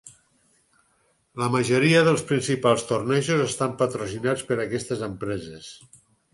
La majoria dels principals tornejos estan patrocinats per aquestes empreses.